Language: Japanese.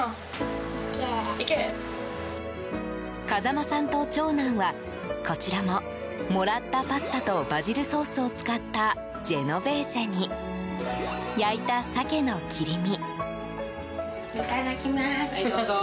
風間さんと長男はこちらももらったパスタとバジルソースを使ったジェノベーゼに焼いたサケの切り身。